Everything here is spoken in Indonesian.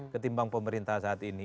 ketimbang pemerintah saat ini